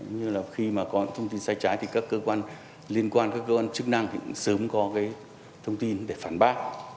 như là khi mà có thông tin sai trái thì các cơ quan liên quan các cơ quan chức năng cũng sớm có cái thông tin để phản bác